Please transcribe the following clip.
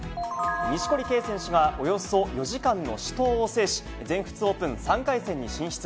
錦織圭選手がおよそ４時間の死闘を制し、全仏オープン３回戦に進出。